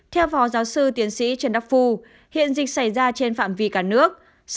theo phó giáo sư tiến sĩ trần đắc phu hiện dịch xảy ra trên phạm vi cả nước